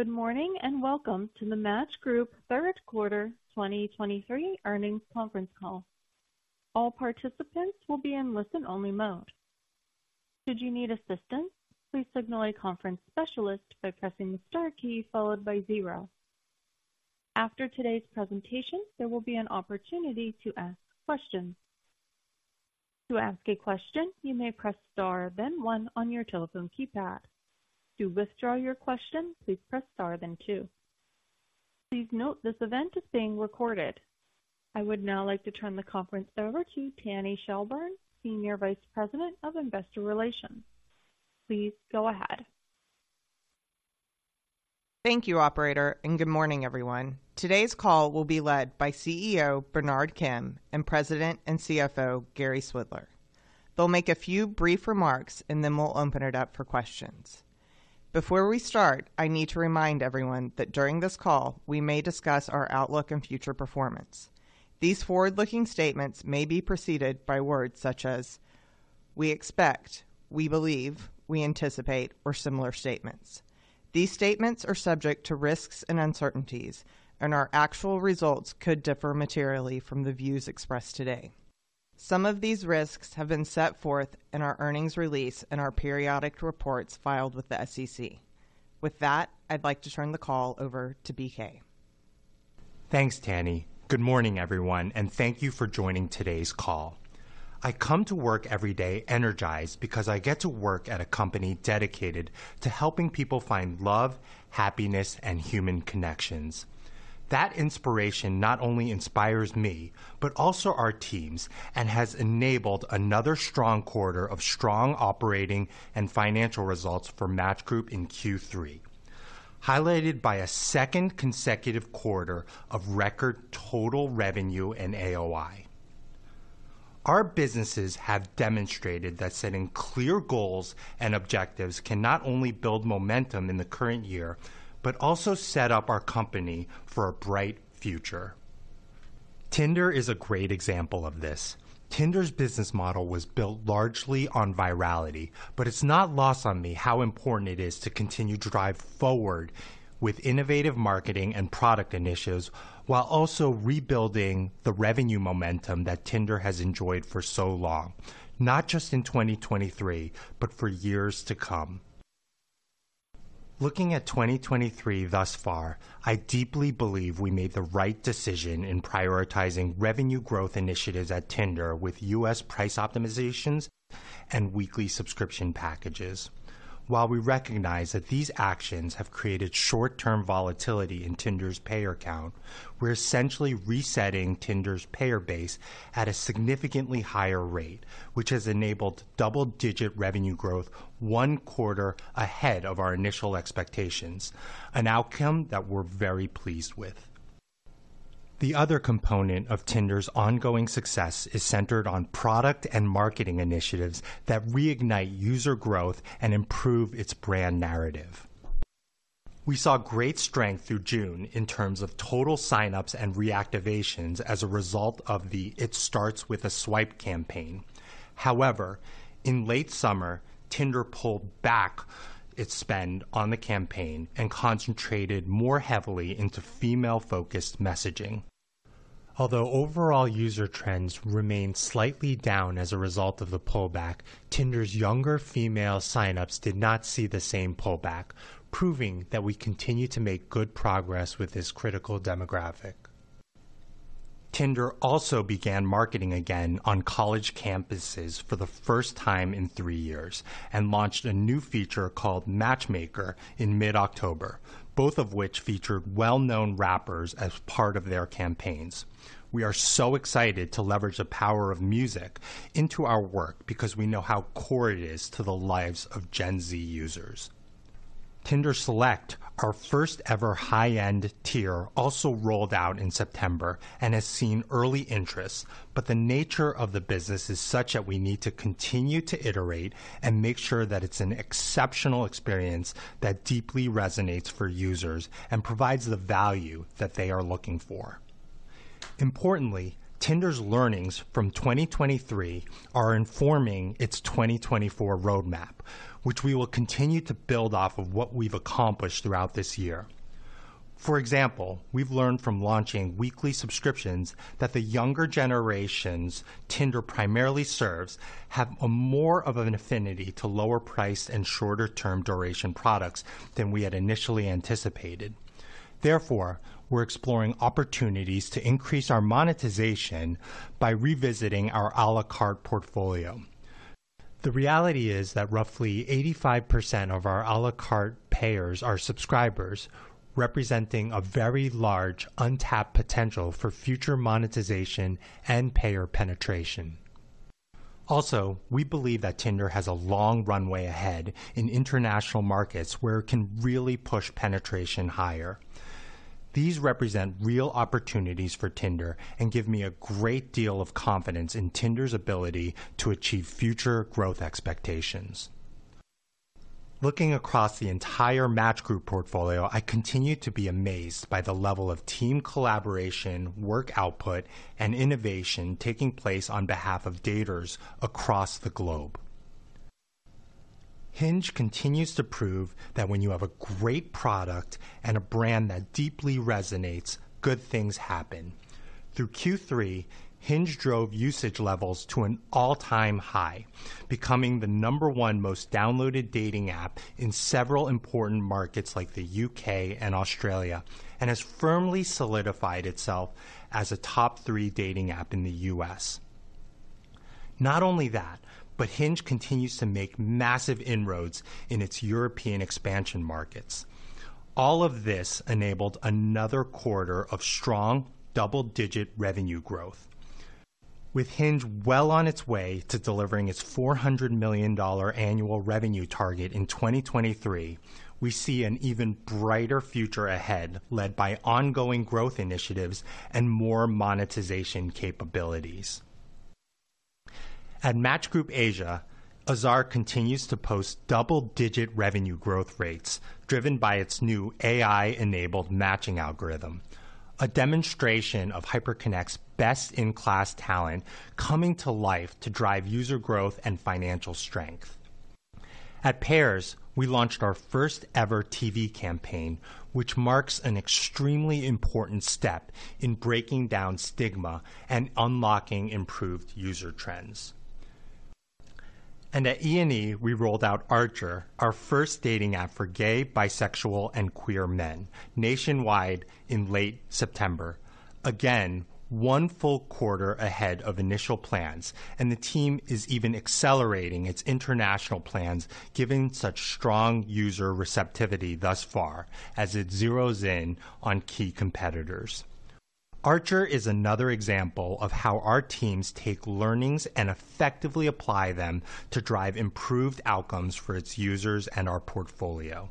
Good morning, and welcome to the Match Group Third Quarter 2023 Earnings Conference Call. All participants will be in listen-only mode. Should you need assistance, please signal a conference specialist by pressing the star key followed by 0. After today's presentation, there will be an opportunity to ask questions. To ask a question, you may press star, then one on your telephone keypad. To withdraw your question, please press star, then 2. Please note, this event is being recorded. I would now like to turn the conference over to Tanny Shelburne, Senior Vice President of Investor Relations. Please go ahead. Thank you, operator, and good morning, everyone. Today's call will be led by CEO, Bernard Kim, and President and CFO, Gary Swidler. They'll make a few brief remarks, and then we'll open it up for questions. Before we start, I need to remind everyone that during this call, we may discuss our outlook and future performance. These forward-looking statements may be preceded by words such as, "we expect," "we believe," "we anticipate," or similar statements. These statements are subject to risks and uncertainties, and our actual results could differ materially from the views expressed today. Some of these risks have been set forth in our earnings release and our periodic reports filed with the SEC. With that, I'd like to turn the call over to BK. Thanks, Tanny. Good morning, everyone, and thank you for joining today's call. I come to work every day energized because I get to work at a company dedicated to helping people find love, happiness, and human connections. That inspiration not only inspires me, but also our teams, and has enabled another strong quarter of strong operating and financial results for Match Group in Q3, highlighted by a second consecutive quarter of record total revenue and AOI. Our businesses have demonstrated that setting clear goals and objectives can not only build momentum in the current year, but also set up our company for a bright future. Tinder is a great example of this. Tinder's business model was built largely on virality, but it's not lost on me how important it is to continue to drive forward with innovative marketing and product initiatives, while also rebuilding the revenue momentum that Tinder has enjoyed for so long, not just in 2023, but for years to come. Looking at 2023 thus far, I deeply believe we made the right decision in prioritizing revenue growth initiatives at Tinder with U.S. price optimizations and weekly subscription packages. While we recognize that these actions have created short-term volatility in Tinder's payer count, we're essentially resetting Tinder's payer base at a significantly higher rate, which has enabled double-digit revenue growth one quarter ahead of our initial expectations, an outcome that we're very pleased with. The other component of Tinder's ongoing success is centered on product and marketing initiatives that reignite user growth and improve its brand narrative. We saw great strength through June in terms of total sign-ups and reactivations as a result of the It Starts With A Swipe campaign. However, in late summer, Tinder pulled back its spend on the campaign and concentrated more heavily into female-focused messaging. Although overall user trends remained slightly down as a result of the pullback, Tinder's younger female sign-ups did not see the same pullback, proving that we continue to make good progress with this critical demographic. Tinder also began marketing again on college campuses for the first time in three years and launched a new feature called Matchmaker in mid-October, both of which featured well-known rappers as part of their campaigns. We are so excited to leverage the power of music into our work because we know how core it is to the lives of Gen Z users. Tinder Select, our first ever high-end tier, also rolled out in September and has seen early interest, but the nature of the business is such that we need to continue to iterate and make sure that it's an exceptional experience that deeply resonates for users and provides the value that they are looking for. Importantly, Tinder's learnings from 2023 are informing its 2024 roadmap, which we will continue to build off of what we've accomplished throughout this year. For example, we've learned from launching weekly subscriptions that the younger generations Tinder primarily serves have a more of an affinity to lower price and shorter term duration products than we had initially anticipated. Therefore, we're exploring opportunities to increase our monetization by revisiting our à la carte portfolio. The reality is that roughly 85% of our à la carte payers are subscribers, representing a very large untapped potential for future monetization and payer penetration. Also, we believe that Tinder has a long runway ahead in international markets where it can really push penetration higher. These represent real opportunities for Tinder and give me a great deal of confidence in Tinder's ability to achieve future growth expectations. Looking across the entire Match Group portfolio, I continue to be amazed by the level of team collaboration, work output, and innovation taking place on behalf of daters across the globe.... Hinge continues to prove that when you have a great product and a brand that deeply resonates, good things happen. Through Q3, Hinge drove usage levels to an all-time high, becoming the number one most downloaded dating app in several important markets like the U.K. and Australia, and has firmly solidified itself as a top three dating app in the U.S. Not only that, but Hinge continues to make massive inroads in its European expansion markets. All of this enabled another quarter of strong double-digit revenue growth. With Hinge well on its way to delivering its $400 million annual revenue target in 2023, we see an even brighter future ahead, led by ongoing growth initiatives and more monetization capabilities. At Match Group Asia, Azar continues to post double-digit revenue growth rates driven by its new AI-enabled matching algorithm, a demonstration of Hyperconnect's best-in-class talent coming to life to drive user growth and financial strength. At Pairs, we launched our first-ever TV campaign, which marks an extremely important step in breaking down stigma and unlocking improved user trends. At E&E, we rolled out Archer, our first dating app for gay, bisexual, and queer men nationwide in late September. Again, one full quarter ahead of initial plans, and the team is even accelerating its international plans, given such strong user receptivity thus far as it zeros in on key competitors. Archer is another example of how our teams take learnings and effectively apply them to drive improved outcomes for its users and our portfolio.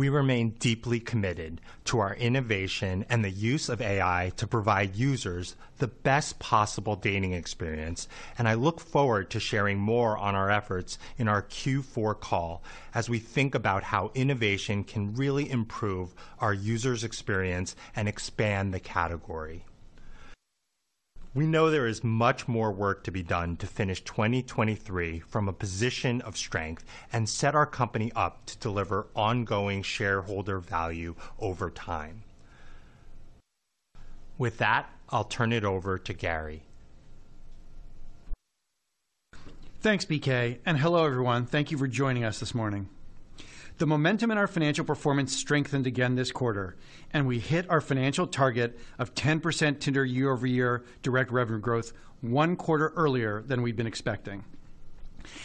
We remain deeply committed to our innovation and the use of AI to provide users the best possible dating experience, and I look forward to sharing more on our efforts in our Q4 call as we think about how innovation can really improve our users' experience and expand the category. We know there is much more work to be done to finish 2023 from a position of strength and set our company up to deliver ongoing shareholder value over time. With that, I'll turn it over to Gary. Thanks, BK, and hello, everyone. Thank you for joining us this morning. The momentum in our financial performance strengthened again this quarter, and we hit our financial target of 10% Tinder year-over-year direct revenue growth one quarter earlier than we've been expecting.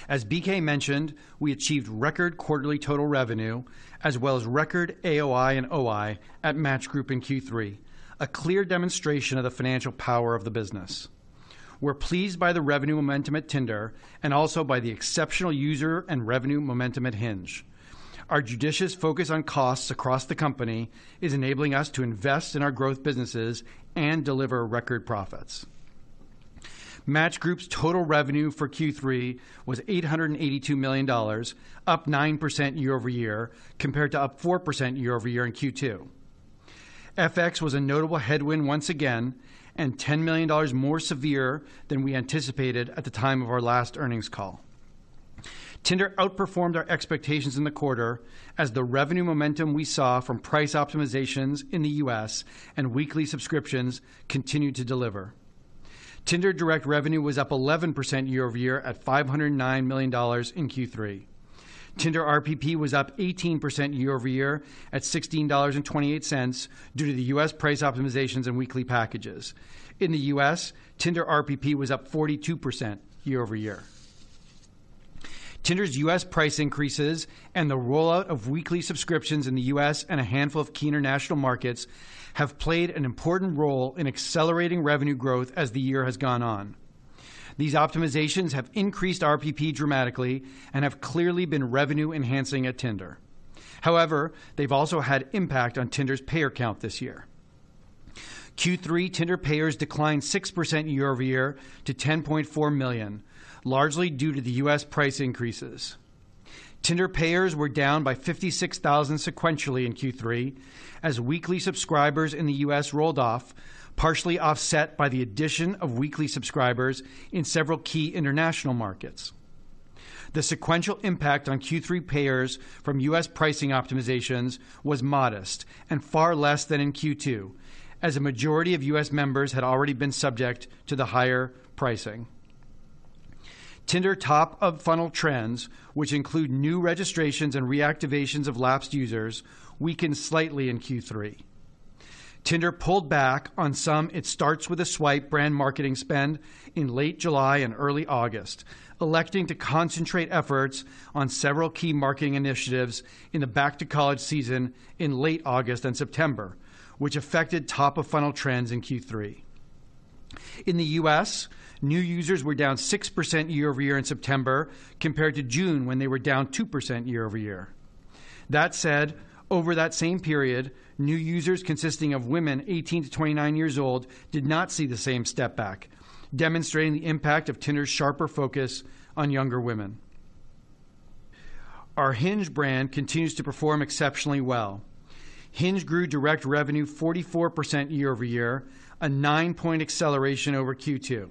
As BK mentioned, we achieved record quarterly total revenue, as well as record AOI and OI at Match Group in Q3, a clear demonstration of the financial power of the business. We're pleased by the revenue momentum at Tinder and also by the exceptional user and revenue momentum at Hinge. Our judicious focus on costs across the company is enabling us to invest in our growth businesses and deliver record profits. Match Group's total revenue for Q3 was $882 million, up 9% year-over-year, compared to up 4% year-over-year in Q2. FX was a notable headwind once again and $10 million more severe than we anticipated at the time of our last earnings call. Tinder outperformed our expectations in the quarter as the revenue momentum we saw from price optimizations in the U.S. and weekly subscriptions continued to deliver. Tinder direct revenue was up 11% year-over-year at $509 million in Q3. Tinder RPP was up 18% year-over-year at $16.28 due to the U.S. price optimizations and weekly packages. In the U.S., Tinder RPP was up 42% year-over-year. Tinder's U.S. price increases and the rollout of weekly subscriptions in the U.S. and a handful of key international markets have played an important role in accelerating revenue growth as the year has gone on. These optimizations have increased RPP dramatically and have clearly been revenue-enhancing at Tinder. However, they've also had impact on Tinder's payer count this year. Q3, Tinder payers declined 6% year-over-year to 10.4 million, largely due to the U.S. price increases. Tinder payers were down by 56,000 sequentially in Q3 as weekly subscribers in the U.S. rolled off, partially offset by the addition of weekly subscribers in several key international markets. The sequential impact on Q3 payers from U.S. pricing optimizations was modest and far less than in Q2, as a majority of U.S. members had already been subject to the higher pricing. Tinder top-of-funnel trends, which include new registrations and reactivations of lapsed users, weakened slightly in Q3. Tinder pulled back on some It Starts With A Swipe brand marketing spend in late July and early August, electing to concentrate efforts on several key marketing initiatives in the back-to-college season in late August and September, which affected top-of-funnel trends in Q3. In the U.S., new users were down 6% year-over-year in September compared to June, when they were down 2% year-over-year. That said, over that same period, new users consisting of women 18 to 29 years old did not see the same step back, demonstrating the impact of Tinder's sharper focus on younger women.... Our Hinge brand continues to perform exceptionally well. Hinge grew direct revenue 44% year-over-year, a 9-point acceleration over Q2.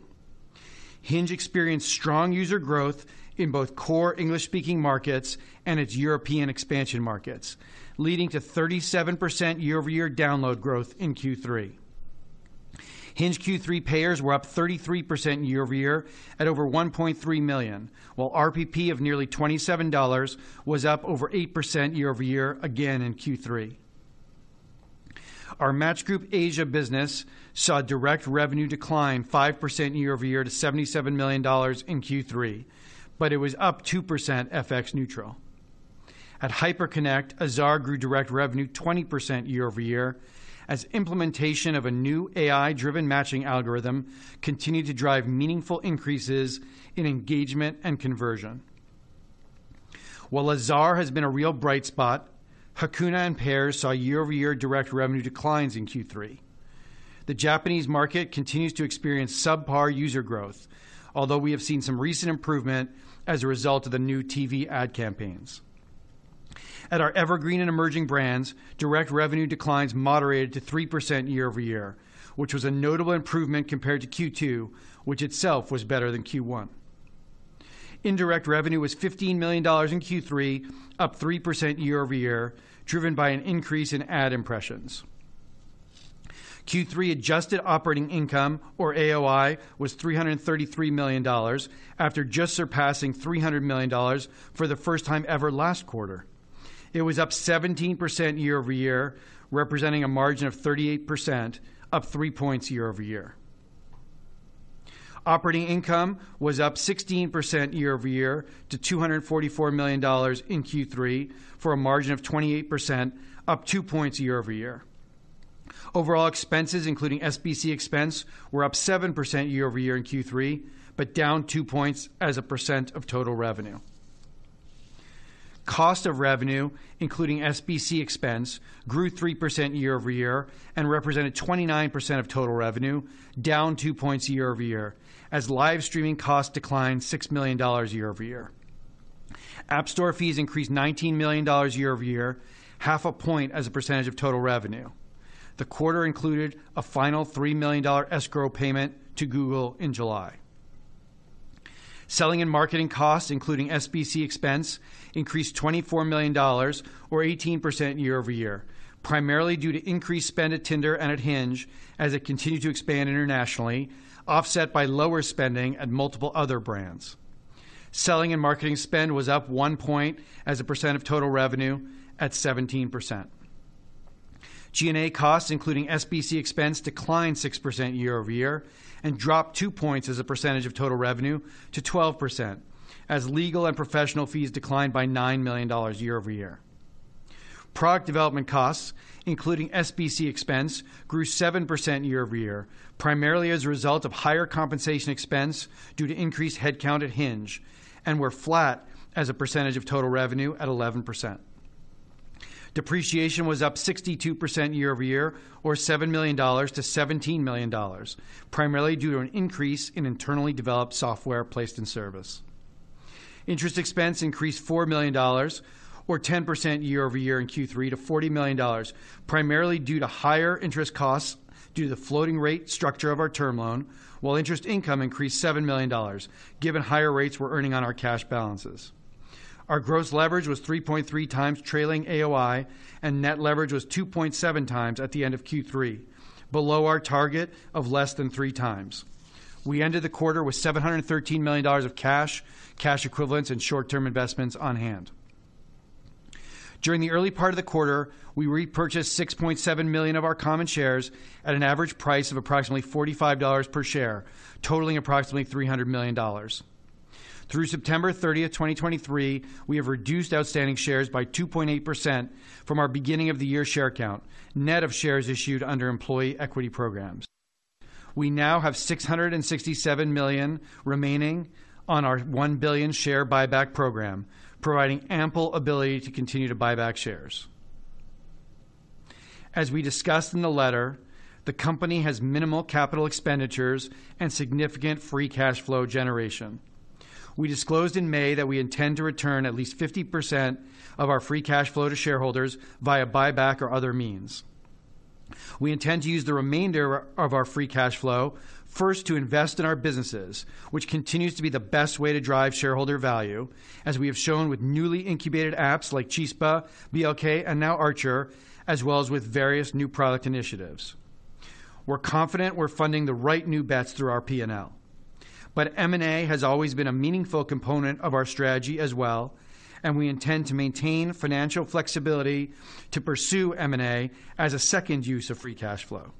Hinge experienced strong user growth in both core English-speaking markets and its European expansion markets, leading to 37% year-over-year download growth in Q3. Hinge Q3 payers were up 33% year-over-year at over 1.3 million, while RPP of nearly $27 was up over 8% year-over-year again in Q3. Our Match Group Asia business saw direct revenue decline 5% year-over-year to $77 million in Q3, but it was up 2% FX neutral. At Hyperconnect, Azar grew direct revenue 20% year-over-year, as implementation of a new AI-driven matching algorithm continued to drive meaningful increases in engagement and conversion. While Azar has been a real bright spot, Hakuna and Pairs saw year-over-year direct revenue declines in Q3. The Japanese market continues to experience subpar user growth, although we have seen some recent improvement as a result of the new TV ad campaigns. At our Evergreen and Emerging brands, direct revenue declines moderated to 3% year-over-year, which was a notable improvement compared to Q2, which itself was better than Q1. Indirect revenue was $15 million in Q3, up 3% year-over-year, driven by an increase in ad impressions. Q3 adjusted operating income, or AOI, was $333 million, after just surpassing $300 million for the first time ever last quarter. It was up 17% year-over-year, representing a margin of 38%, up 3 points year-over-year. Operating income was up 16% year-over-year to $244 million in Q3, for a margin of 28%, up 2 points year-over-year. Overall expenses, including SBC expense, were up 7% year-over-year in Q3, but down 2 points as a percent of total revenue. Cost of revenue, including SBC expense, grew 3% year-over-year and represented 29% of total revenue, down two points year-over-year, as live streaming costs declined $6 million year-over-year. App Store fees increased $19 million year-over-year, half a point as a percentage of total revenue. The quarter included a final $3 million escrow payment to Google in July. Selling and marketing costs, including SBC expense, increased $24 million or 18% year-over-year, primarily due to increased spend at Tinder and at Hinge as it continued to expand internationally, offset by lower spending at multiple other brands. Selling and marketing spend was up one point as a percent of total revenue at 17%. G&A costs, including SBC expense, declined 6% year-over-year and dropped two points as a percentage of total revenue to 12%, as legal and professional fees declined by $9 million year-over-year. Product development costs, including SBC expense, grew 7% year-over-year, primarily as a result of higher compensation expense due to increased headcount at Hinge, and were flat as a percentage of total revenue at 11%. Depreciation was up 62% year-over-year, or $7 million to $17 million, primarily due to an increase in internally developed software placed in service. Interest expense increased $4 million, or 10% year-over-year in Q3 to $40 million, primarily due to higher interest costs due to the floating rate structure of our term loan, while interest income increased $7 million, given higher rates we're earning on our cash balances. Our gross leverage was 3.3 times trailing AOI, and net leverage was 2.7 times at the end of Q3, below our target of less than 3 times. We ended the quarter with $713 million of cash, cash equivalents, and short-term investments on hand. During the early part of the quarter, we repurchased 6.7 million of our common shares at an average price of approximately $45 per share, totaling approximately $300 million. Through September 30, 2023, we have reduced outstanding shares by 2.8% from our beginning of the year share count, net of shares issued under employee equity programs. We now have 667 million remaining on our 1 billion share buyback program, providing ample ability to continue to buy back shares. As we discussed in the letter, the company has minimal capital expenditures and significant free cash flow generation. We disclosed in May that we intend to return at least 50% of our free cash flow to shareholders via buyback or other means. We intend to use the remainder of our free cash flow first to invest in our businesses, which continues to be the best way to drive shareholder value, as we have shown with newly incubated apps like Chispa, BLK, and now Archer, as well as with various new product initiatives. We're confident we're funding the right new bets through our P&L. But M&A has always been a meaningful component of our strategy as well, and we intend to maintain financial flexibility to pursue M&A as a second use of free cash flow.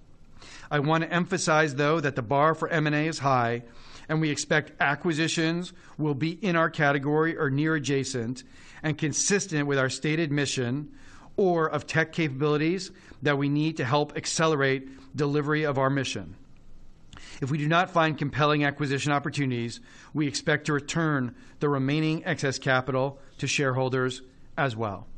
I want to emphasize, though, that the bar for M&A is high, and we expect acquisitions will be in our category or near adjacent and consistent with our stated mission, or of tech capabilities that we need to help accelerate delivery of our mission. If we do not find compelling acquisition opportunities, we expect to return the remaining excess capital to shareholders as well.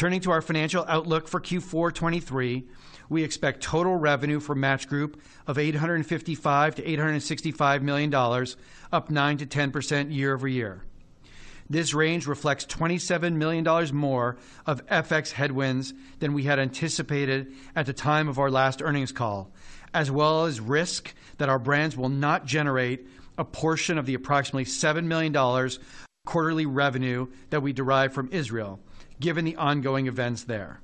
Turning to our financial outlook for Q4 2023, we expect total revenue for Match Group of $855 million-$865 million, up 9%-10% year-over-year. This range reflects $27 million more of FX headwinds than we had anticipated at the time of our last earnings call, as well as risk that our brands will not generate a portion of the approximately $7 million quarterly revenue that we derive from Israel, given the ongoing events there.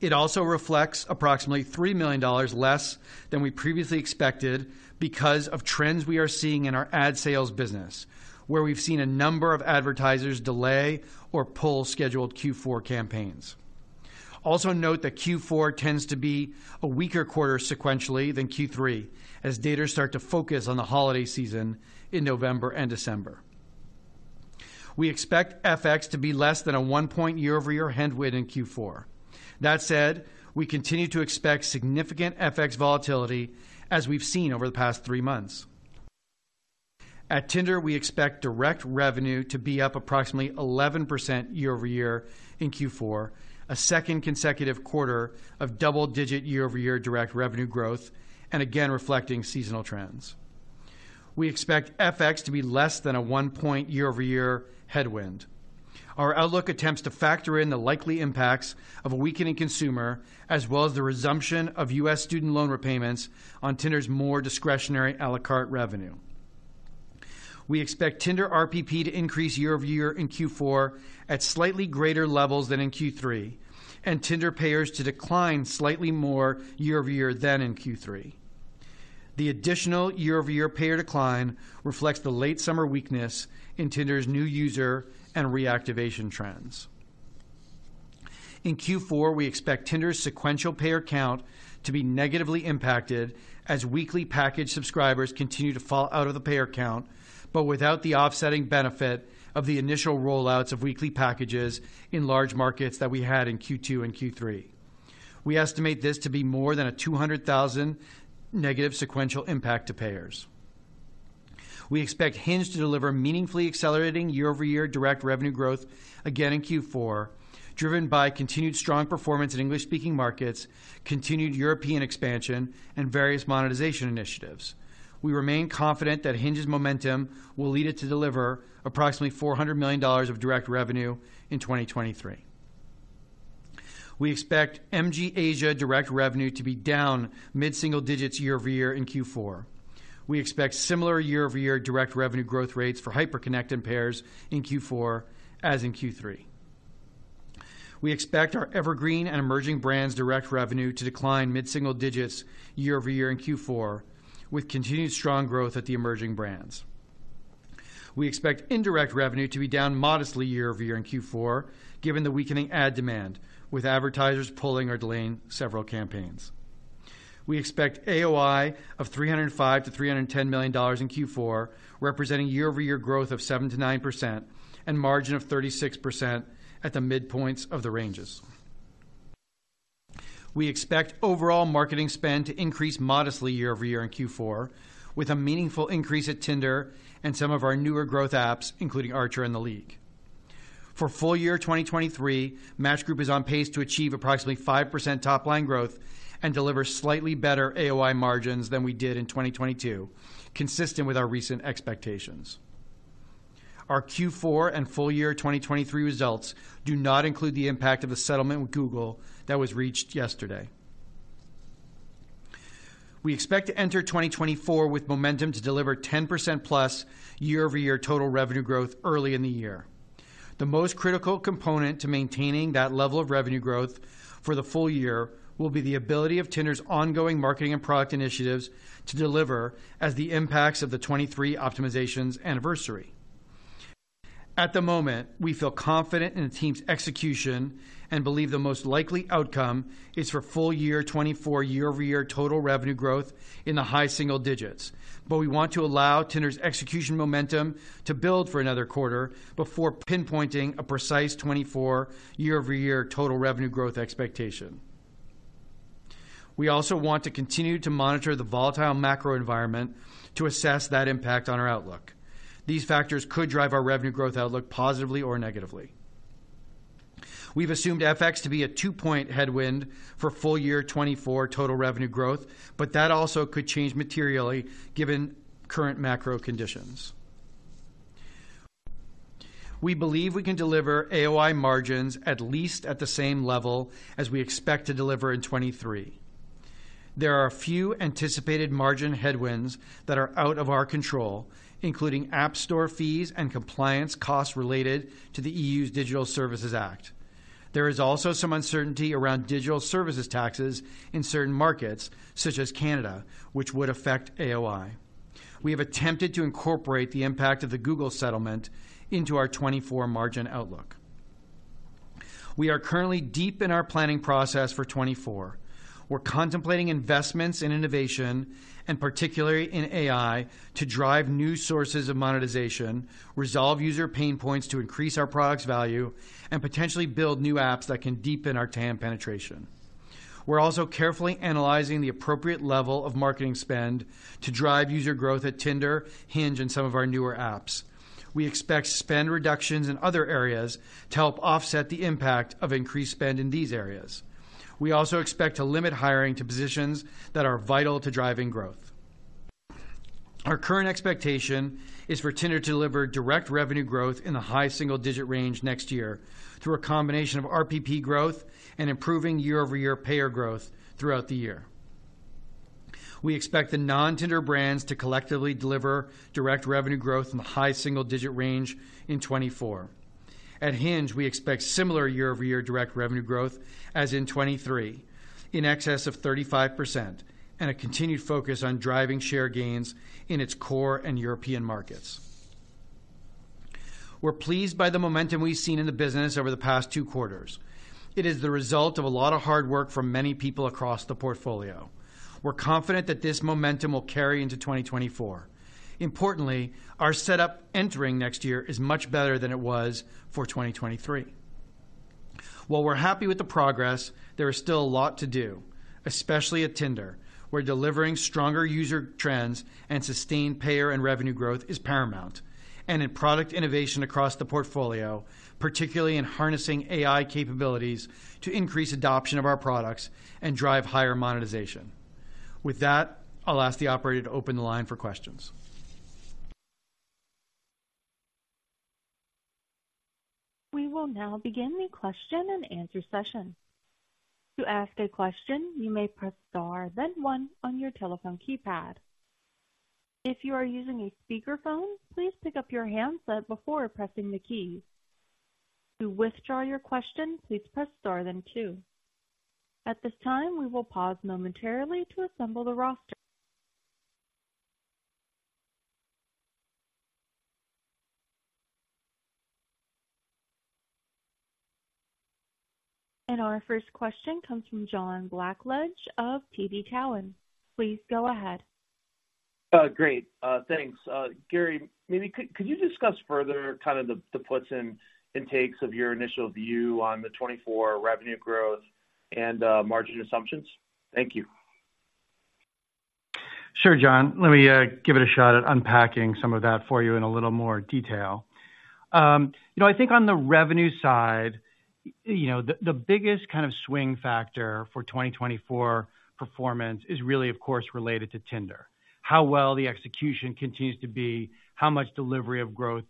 It also reflects approximately $3 million less than we previously expected because of trends we are seeing in our ad sales business, where we've seen a number of advertisers delay or pull scheduled Q4 campaigns. Also note that Q4 tends to be a weaker quarter sequentially than Q3, as daters start to focus on the holiday season in November and December. We expect FX to be less than a 1-point year-over-year headwind in Q4. That said, we continue to expect significant FX volatility as we've seen over the past 3 months. At Tinder, we expect direct revenue to be up approximately 11% year-over-year in Q4, a second consecutive quarter of double-digit year-over-year direct revenue growth, and again, reflecting seasonal trends. We expect FX to be less than a 1-point year-over-year headwind. Our outlook attempts to factor in the likely impacts of a weakening consumer, as well as the resumption of U.S. student loan repayments on Tinder's more discretionary à la carte revenue. We expect Tinder RPP to increase year-over-year in Q4 at slightly greater levels than in Q3, and Tinder payers to decline slightly more year-over-year than in Q3. The additional year-over-year payer decline reflects the late summer weakness in Tinder's new user and reactivation trends. In Q4, we expect Tinder's sequential payer count to be negatively impacted as weekly package subscribers continue to fall out of the payer count, but without the offsetting benefit of the initial rollouts of weekly packages in large markets that we had in Q2 and Q3. We estimate this to be more than a 200,000 negative sequential impact to payers. We expect Hinge to deliver meaningfully accelerating year-over-year direct revenue growth again in Q4, driven by continued strong performance in English-speaking markets, continued European expansion, and various monetization initiatives. We remain confident that Hinge's momentum will lead it to deliver approximately $400 million of direct revenue in 2023. We expect MG Asia direct revenue to be down mid-single-digits year-over-year in Q4. We expect similar year-over-year direct revenue growth rates for Hyperconnect and Pairs in Q4 as in Q3. We expect our Evergreen and Emerging brands direct revenue to decline mid-single digits year-over-year in Q4, with continued strong growth at the emerging brands. We expect indirect revenue to be down modestly year-over-year in Q4, given the weakening ad demand, with advertisers pulling or delaying several campaigns. We expect AOI of $305 million-$310 million in Q4, representing year-over-year growth of 7%-9% and margin of 36% at the midpoints of the ranges. We expect overall marketing spend to increase modestly year-over-year in Q4, with a meaningful increase at Tinder and some of our newer growth apps, including Archer & The League. For full year 2023, Match Group is on pace to achieve approximately 5% top-line growth and deliver slightly better AOI margins than we did in 2022, consistent with our recent expectations. Our Q4 and full year 2023 results do not include the impact of a settlement with Google that was reached yesterday. We expect to enter 2024 with momentum to deliver 10%+ year-over-year total revenue growth early in the year. The most critical component to maintaining that level of revenue growth for the full year will be the ability of Tinder's ongoing marketing and product initiatives to deliver as the impacts of the 2023 optimizations anniversary. At the moment, we feel confident in the team's execution and believe the most likely outcome is for full year 2024 year-over-year total revenue growth in the high single digits. But we want to allow Tinder's execution momentum to build for another quarter before pinpointing a precise 2024 year-over-year total revenue growth expectation. We also want to continue to monitor the volatile macro environment to assess that impact on our outlook. These factors could drive our revenue growth outlook positively or negatively. We've assumed FX to be a 2-point headwind for full year 2024 total revenue growth, but that also could change materially given current macro conditions. We believe we can deliver AOI margins at least at the same level as we expect to deliver in 2023. There are a few anticipated margin headwinds that are out of our control, including App Store fees and compliance costs related to the EU's Digital Services Act. There is also some uncertainty around digital services taxes in certain markets, such as Canada, which would affect AOI. We have attempted to incorporate the impact of the Google settlement into our 2024 margin outlook. We are currently deep in our planning process for 2024. We're contemplating investments in innovation and particularly in AI, to drive new sources of monetization, resolve user pain points to increase our products value, and potentially build new apps that can deepen our TAM penetration. We're also carefully analyzing the appropriate level of marketing spend to drive user growth at Tinder, Hinge, and some of our newer apps.... We expect spend reductions in other areas to help offset the impact of increased spend in these areas. We also expect to limit hiring to positions that are vital to driving growth. Our current expectation is for Tinder to deliver direct revenue growth in the high single-digit range next year, through a combination of RPP growth and improving year-over-year payer growth throughout the year. We expect the non-Tinder brands to collectively deliver direct revenue growth in the high single-digit range in 2024. At Hinge, we expect similar year-over-year direct revenue growth as in 2023, in excess of 35%, and a continued focus on driving share gains in its core and European markets. We're pleased by the momentum we've seen in the business over the past two quarters. It is the result of a lot of hard work from many people across the portfolio. We're confident that this momentum will carry into 2024. Importantly, our setup entering next year is much better than it was for 2023. While we're happy with the progress, there is still a lot to do, especially at Tinder, where delivering stronger user trends and sustained payer and revenue growth is paramount, and in product innovation across the portfolio, particularly in harnessing AI capabilities to increase adoption of our products and drive higher monetization. With that, I'll ask the operator to open the line for questions. We will now begin the question-and-answer session. To ask a question, you may press Star, then one on your telephone keypad. If you are using a speakerphone, please pick up your handset before pressing the key. To withdraw your question, please press Star then two. At this time, we will pause momentarily to assemble the roster. Our first question comes from John Blackledge of TD Cowen. Please go ahead. Great, thanks. Gary, maybe could you discuss further kind of the puts and takes of your initial view on the 2024 revenue growth and margin assumptions? Thank you. Sure, John, let me give it a shot at unpacking some of that for you in a little more detail. You know, I think on the revenue side, you know, the biggest kind of swing factor for 2024 performance is really, of course, related to Tinder. How well the execution continues to be, how much delivery of growth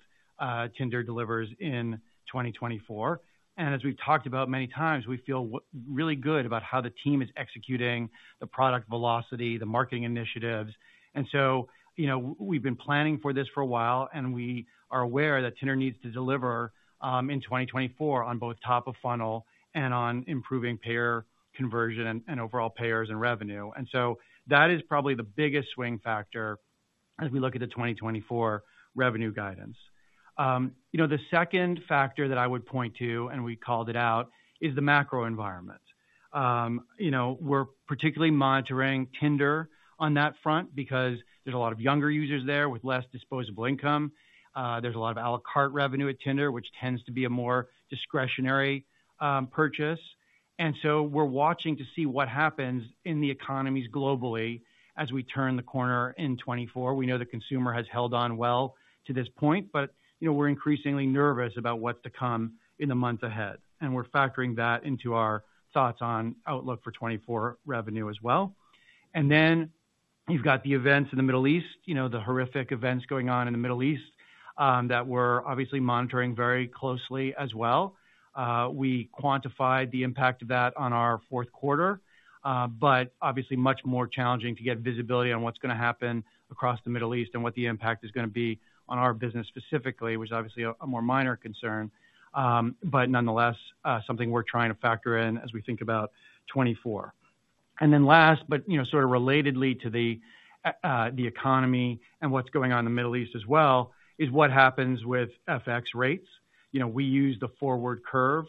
Tinder delivers in 2024. And as we've talked about many times, we feel really good about how the team is executing the product velocity, the marketing initiatives. And so, you know, we've been planning for this for a while, and we are aware that Tinder needs to deliver in 2024 on both top of funnel and on improving payer conversion and overall payers and revenue. And so that is probably the biggest swing factor as we look at the 2024 revenue guidance. You know, the second factor that I would point to, and we called it out, is the macro environment. You know, we're particularly monitoring Tinder on that front because there's a lot of younger users there with less disposable income. There's a lot of à la carte revenue at Tinder, which tends to be a more discretionary purchase. And so we're watching to see what happens in the economies globally as we turn the corner in 2024. We know the consumer has held on well to this point, but, you know, we're increasingly nervous about what's to come in the months ahead, and we're factoring that into our thoughts on outlook for 2024 revenue as well. And then you've got the events in the Middle East, you know, the horrific events going on in the Middle East, that we're obviously monitoring very closely as well. We quantified the impact of that on our fourth quarter, but obviously much more challenging to get visibility on what's going to happen across the Middle East and what the impact is going to be on our business specifically, which is obviously a more minor concern, but nonetheless, something we're trying to factor in as we think about 2024. And then last, but you know, sort of relatedly to the economy and what's going on in the Middle East as well, is what happens with FX rates. You know, we use the forward curve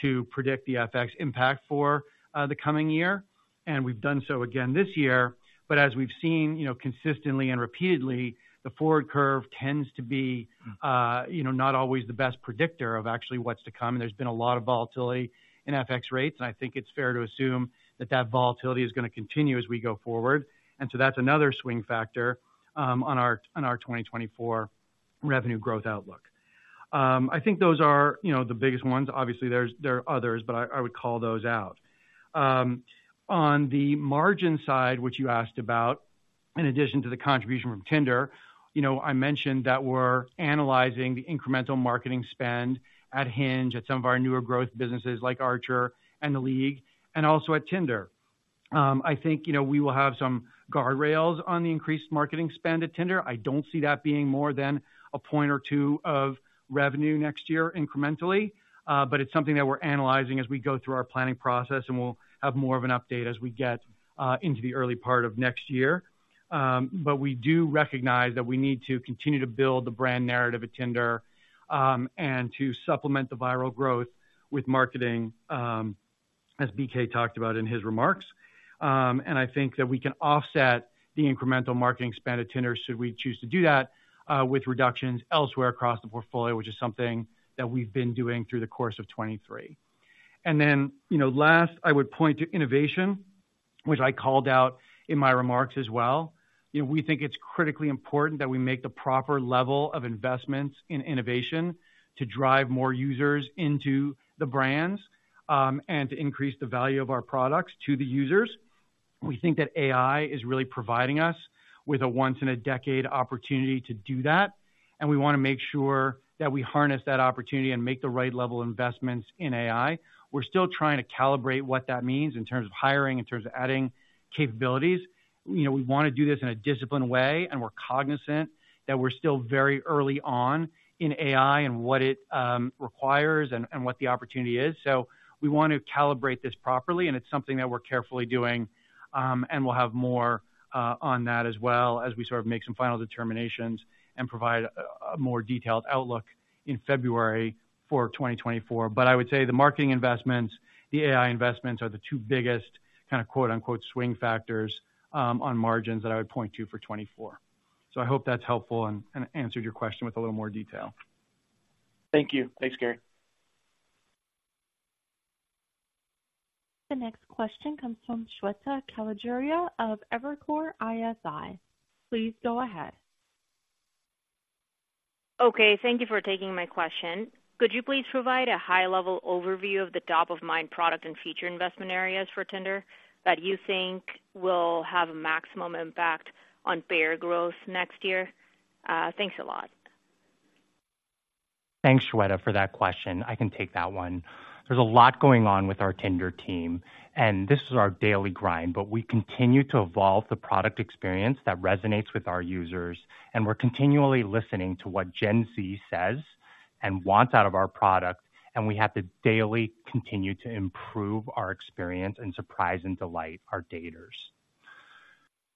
to predict the FX impact for the coming year, and we've done so again this year. But as we've seen, you know, consistently and repeatedly, the forward curve tends to be, you know, not always the best predictor of actually what's to come. There's been a lot of volatility in FX rates, and I think it's fair to assume that that volatility is going to continue as we go forward. And so that's another swing factor, on our, on our 2024 revenue growth outlook. I think those are, you know, the biggest ones. Obviously, there's, there are others, but I, I would call those out. On the margin side, which you asked about, in addition to the contribution from Tinder, you know, I mentioned that we're analyzing the incremental marketing spend at Hinge, at some of our newer growth businesses like Archer and The League, and also at Tinder. I think, you know, we will have some guardrails on the increased marketing spend at Tinder. I don't see that being more than a point or two of revenue next year, incrementally. But it's something that we're analyzing as we go through our planning process, and we'll have more of an update as we get into the early part of next year. But we do recognize that we need to continue to build the brand narrative at Tinder, and to supplement the viral growth with marketing, as BK talked about in his remarks. And I think that we can offset the incremental marketing spend at Tinder, should we choose to do that, with reductions elsewhere across the portfolio, which is something that we've been doing through the course of 2023. And then, you know, last, I would point to innovation. which I called out in my remarks as well. You know, we think it's critically important that we make the proper level of investments in innovation to drive more users into the brands, and to increase the value of our products to the users. We think that AI is really providing us with a once-in-a-decade opportunity to do that, and we wanna make sure that we harness that opportunity and make the right level of investments in AI. We're still trying to calibrate what that means in terms of hiring, in terms of adding capabilities. You know, we wanna do this in a disciplined way, and we're cognizant that we're still very early on in AI and what it requires and what the opportunity is. So we want to calibrate this properly, and it's something that we're carefully doing, and we'll have more on that as well as we sort of make some final determinations and provide a more detailed outlook in February for 2024. But I would say the marketing investments, the AI investments, are the two biggest kind of quote-unquote, "swing factors," on margins that I would point to for 2024. So I hope that's helpful and answered your question with a little more detail. Thank you. Thanks, Gary. The next question comes from Shweta Khajuria of Evercore ISI. Please go ahead. Okay, thank you for taking my question. Could you please provide a high-level overview of the top-of-mind product and feature investment areas for Tinder that you think will have a maximum impact on payer growth next year? Thanks a lot. Thanks, Shweta, for that question. I can take that one. There's a lot going on with our Tinder team, and this is our daily grind, but we continue to evolve the product experience that resonates with our users, and we're continually listening to what Gen Z says and wants out of our product, and we have to daily continue to improve our experience and surprise and delight our daters.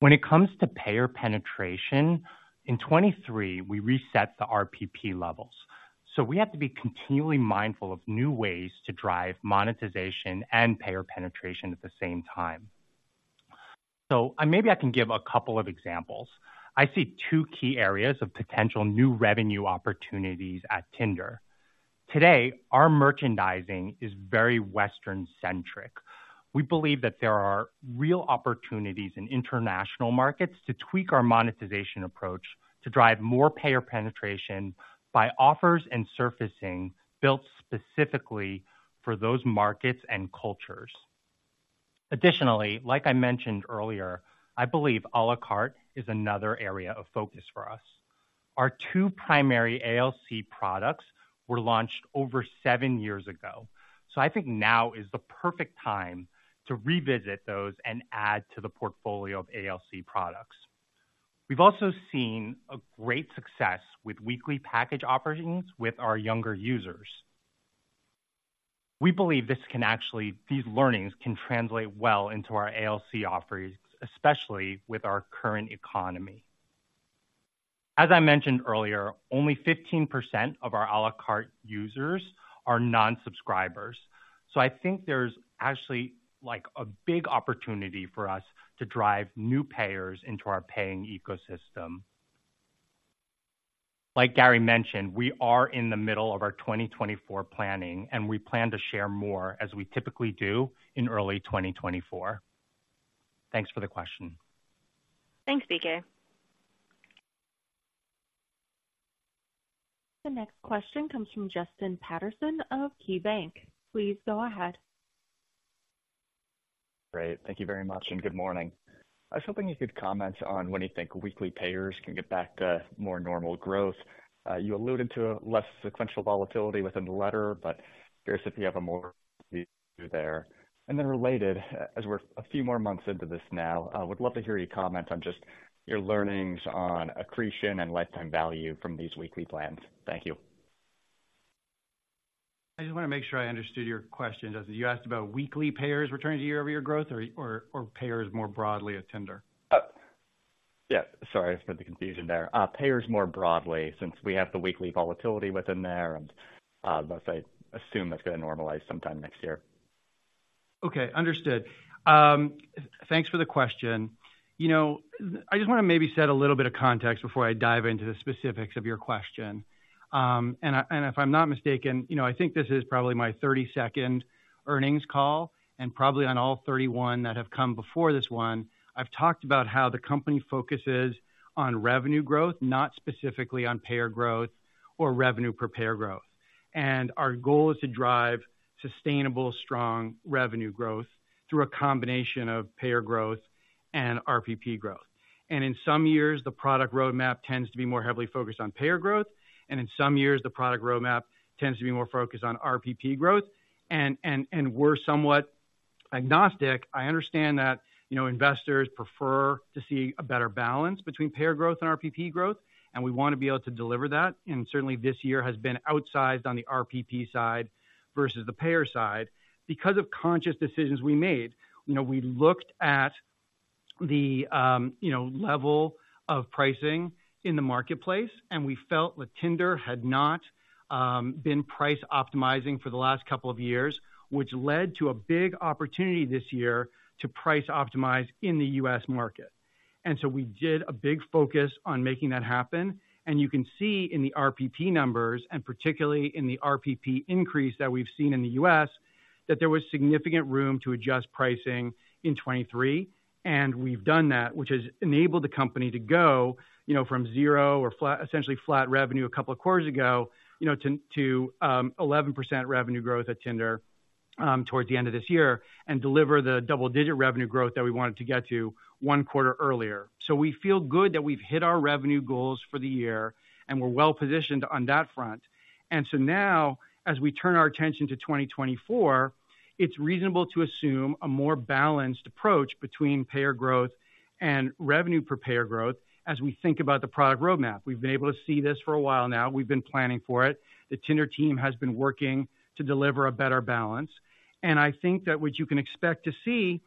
When it comes to payer penetration, in 2023, we reset the RPP levels, so we have to be continually mindful of new ways to drive monetization and payer penetration at the same time. And maybe I can give a couple of examples. I see two key areas of potential new revenue opportunities at Tinder. Today, our merchandising is very Western-centric. We believe that there are real opportunities in international markets to tweak our monetization approach to drive more payer penetration by offers and surfacing built specifically for those markets and cultures. Additionally, like I mentioned earlier, I believe à la carte is another area of focus for us. Our two primary ALC products were launched over seven years ago, so I think now is the perfect time to revisit those and add to the portfolio of ALC products. We've also seen a great success with weekly package offerings with our younger users. We believe this can actually, these learnings can translate well into our ALC offerings, especially with our current economy. As I mentioned earlier, only 15% of our à la carte users are non-subscribers, so I think there's actually, like, a big opportunity for us to drive new payers into our paying ecosystem. Like Gary mentioned, we are in the middle of our 2024 planning, and we plan to share more, as we typically do, in early 2024. Thanks for the question. Thanks, BK. The next question comes from Justin Patterson of KeyBanc. Please go ahead. Great. Thank you very much, and good morning. I was hoping you could comment on when you think weekly payers can get back to more normal growth. You alluded to less sequential volatility within the letter, but curious if you have a more there. And then related, as we're a few more months into this now, I would love to hear you comment on just your learnings on accretion and lifetime value from these weekly plans. Thank you. I just wanna make sure I understood your question, Justin. You asked about weekly payers returning to year-over-year growth or payers more broadly at Tinder? Yeah, sorry for the confusion there. Payers more broadly, since we have the weekly volatility within there, and, let's say, assume that's gonna normalize sometime next year. Okay, understood. Thanks for the question. You know, I just wanna maybe set a little bit of context before I dive into the specifics of your question. If I'm not mistaken, you know, I think this is probably my 32nd earnings call, and probably on all 31 that have come before this one, I've talked about how the company focuses on revenue growth, not specifically on payer growth or revenue per payer growth. Our goal is to drive sustainable, strong revenue growth through a combination of payer growth and RPP growth. In some years, the product roadmap tends to be more heavily focused on payer growth, and in some years, the product roadmap tends to be more focused on RPP growth, and we're somewhat agnostic. I understand that, you know, investors prefer to see a better balance between payer growth and RPP growth, and we want to be able to deliver that. And certainly, this year has been outsized on the RPP side versus the payer side because of conscious decisions we made. You know, we looked at the, you know, level of pricing in the marketplace, and we felt that Tinder had not been price optimizing for the last couple of years, which led to a big opportunity this year to price optimize in the U.S. market. And so we did a big focus on making that happen. And you can see in the RPP numbers, and particularly in the RPP increase that we've seen in the U.S., that there was significant room to adjust pricing in 2023. We've done that, which has enabled the company to go, you know, from zero or essentially flat revenue a couple of quarters ago, you know, to 11% revenue growth at Tinder towards the end of this year, and deliver the double-digit revenue growth that we wanted to get to one quarter earlier. So we feel good that we've hit our revenue goals for the year, and we're well positioned on that front. So now, as we turn our attention to 2024, it's reasonable to assume a more balanced approach between payer growth and revenue per payer growth as we think about the product roadmap. We've been able to see this for a while now. We've been planning for it. The Tinder team has been working to deliver a better balance, and I think that what you can expect to see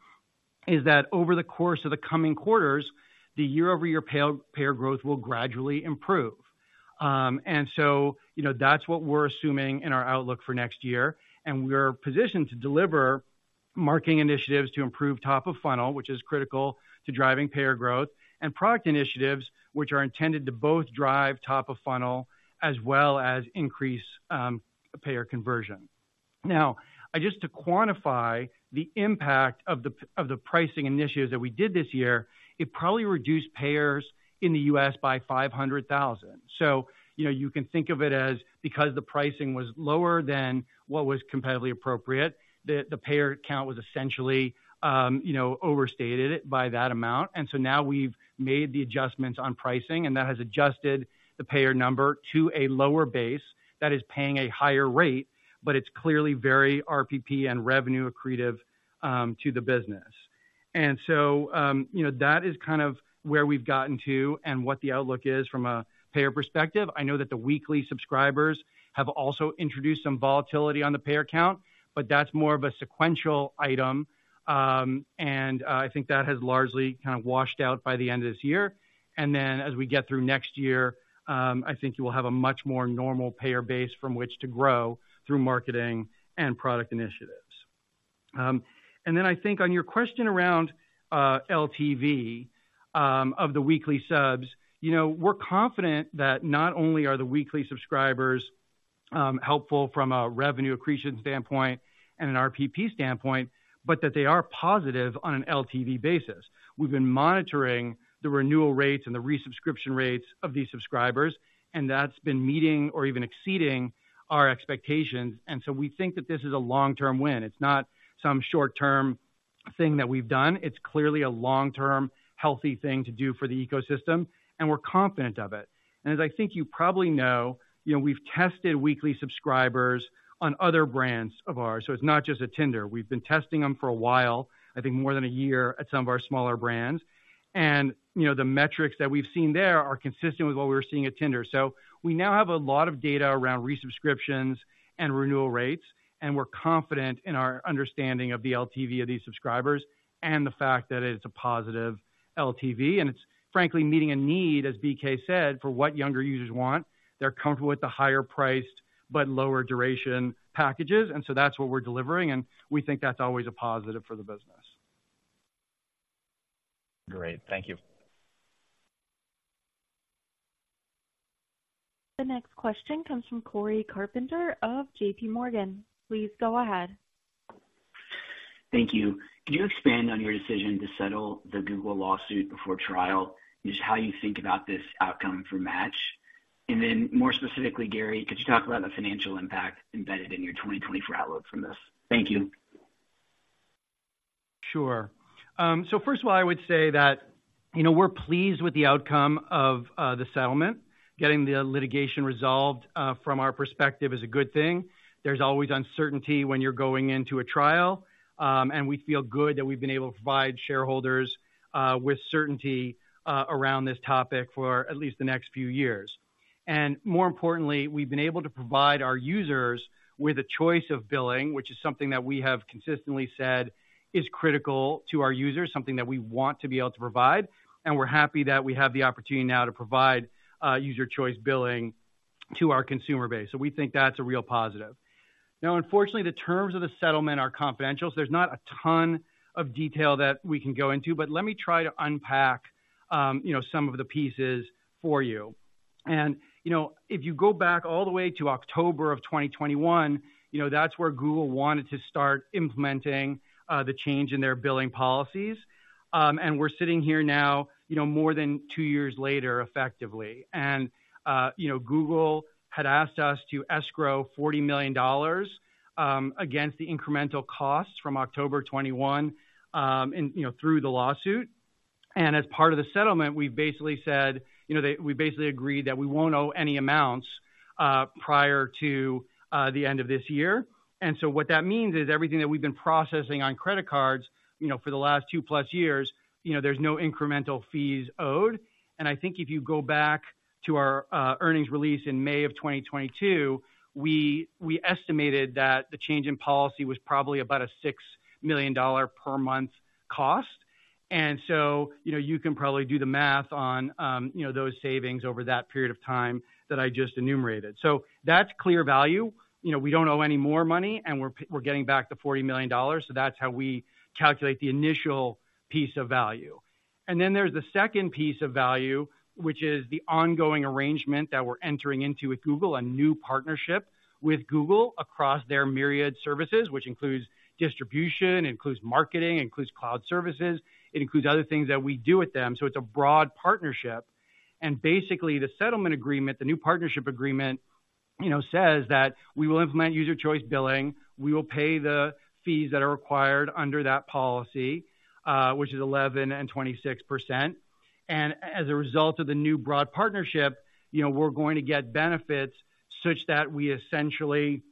is that over the course of the coming quarters, the year-over-year payer growth will gradually improve. And so, you know, that's what we're assuming in our outlook for next year, and we're positioned to deliver marketing initiatives to improve top of funnel, which is critical to driving payer growth, and product initiatives, which are intended to both drive top of funnel as well as increase payer conversion. Now, just to quantify the impact of the pricing initiatives that we did this year, it probably reduced payers in the U.S. by 500,000. So, you know, you can think of it as, because the pricing was lower than what was competitively appropriate, the payer count was essentially overstated by that amount. And so now we've made the adjustments on pricing, and that has adjusted the payer number to a lower base that is paying a higher rate, but it's clearly very RPP and revenue accretive to the business. And so, you know, that is kind of where we've gotten to and what the outlook is from a payer perspective. I know that the weekly subscribers have also introduced some volatility on the payer count, but that's more of a sequential item. I think that has largely kind of washed out by the end of this year. And then as we get through next year, I think you will have a much more normal payer base from which to grow through marketing and product initiatives. And then I think on your question around LTV of the weekly subs, you know, we're confident that not only are the weekly subscribers helpful from a revenue accretion standpoint and an RPP standpoint, but that they are positive on an LTV basis. We've been monitoring the renewal rates and the resubscription rates of these subscribers, and that's been meeting or even exceeding our expectations. And so we think that this is a long-term win. It's not some short-term thing that we've done. It's clearly a long-term, healthy thing to do for the ecosystem, and we're confident of it. As I think you probably know, you know, we've tested weekly subscribers on other brands of ours, so it's not just at Tinder. We've been testing them for a while, I think more than a year, at some of our smaller brands. And, you know, the metrics that we've seen there are consistent with what we're seeing at Tinder. So we now have a lot of data around resubscriptions and renewal rates, and we're confident in our understanding of the LTV of these subscribers and the fact that it's a positive LTV, and it's frankly meeting a need, as BK said, for what younger users want. They're comfortable with the higher priced but lower duration packages, and so that's what we're delivering, and we think that's always a positive for the business. Great. Thank you. The next question comes from Cory Carpenter of J.P. Morgan. Please go ahead. Thank you. Can you expand on your decision to settle the Google lawsuit before trial? Just how you think about this outcome for Match? And then more specifically, Gary, could you talk about the financial impact embedded in your 2024 outlook from this? Thank you. Sure. So first of all, I would say that, you know, we're pleased with the outcome of the settlement. Getting the litigation resolved, from our perspective, is a good thing. There's always uncertainty when you're going into a trial, and we feel good that we've been able to provide shareholders with certainty around this topic for at least the next few years. And more importantly, we've been able to provide our users with a choice of billing, which is something that we have consistently said is critical to our users, something that we want to be able to provide, and we're happy that we have the opportunity now to provide User Choice Billing to our consumer base. So we think that's a real positive. Now, unfortunately, the terms of the settlement are confidential, so there's not a ton of detail that we can go into, but let me try to unpack, you know, some of the pieces for you. And, you know, if you go back all the way to October of 2021, you know, that's where Google wanted to start implementing, the change in their billing policies. And we're sitting here now, you know, more than two years later, effectively. And, you know, Google had asked us to escrow $40 million, against the incremental costs from October 2021, and, you know, through the lawsuit. And as part of the settlement, we basically said, you know, they-- we basically agreed that we won't owe any amounts, prior to, the end of this year. So what that means is everything that we've been processing on credit cards, you know, for the last 2+ years, you know, there's no incremental fees owed. And I think if you go back to our earnings release in May of 2022, we estimated that the change in policy was probably about a $6 million per month cost. And so, you know, you can probably do the math on those savings over that period of time that I just enumerated. So that's clear value. You know, we don't owe any more money, and we're getting back the $40 million. So that's how we calculate the initial piece of value. And then there's the second piece of value, which is the ongoing arrangement that we're entering into with Google, a new partnership with Google across their myriad services, which includes distribution, includes marketing, includes cloud services. It includes other things that we do with them. So it's a broad partnership. And basically, the settlement agreement, the new partnership agreement, you know, says that we will implement User Choice Billing. We will pay the fees that are required under that policy, which is 11% and 26%. And as a result of the new broad partnership, you know, we're going to get benefits such that we essentially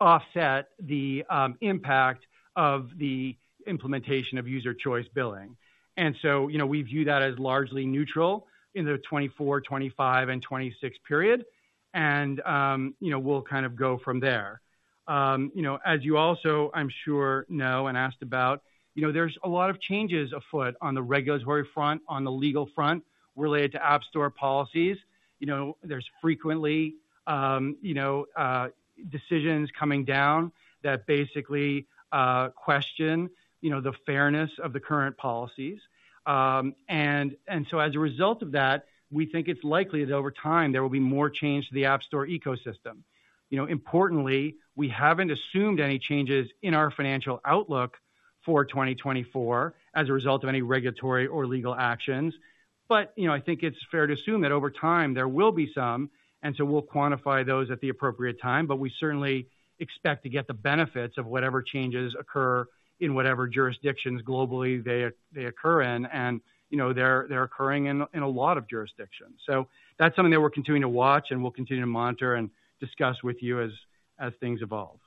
offset the impact of the implementation of User Choice Billing. And so, you know, we view that as largely neutral in the 2024, 2025, and 2026 period. You know, we'll kind of go from there. You know, as you also, I'm sure know, and asked about, you know, there's a lot of changes afoot on the regulatory front, on the legal front related to App Store policies. You know, there's frequently decisions coming down that basically question, you know, the fairness of the current policies. And so as a result of that, we think it's likely that over time, there will be more change to the App Store ecosystem. You know, importantly, we haven't assumed any changes in our financial outlook for 2024 as a result of any regulatory or legal actions. But, you know, I think it's fair to assume that over time there will be some, and so we'll quantify those at the appropriate time. But we certainly expect to get the benefits of whatever changes occur in whatever jurisdictions globally they occur in, and, you know, they're, they're occurring in, in a lot of jurisdictions. So that's something that we're continuing to watch and we'll continue to monitor and discuss with you as, as things evolve.